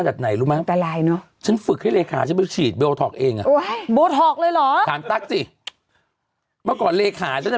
ฉันจะเป็นคนฉีดโบทอล์ตกับฉันเองนะ